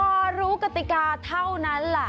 พอรู้กติกาเท่านั้นล่ะ